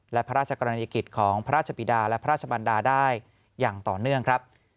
และพระราชกรณียกิจของพระราชบิดาและพระราชบรรดาได้อย่างต่อเนื่องครับ